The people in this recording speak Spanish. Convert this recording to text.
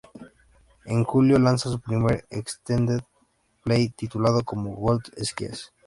En julio lanza su primer extended play titulado como Gold Skies.